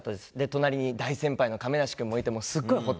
隣に大先輩の亀梨君もいてくれて。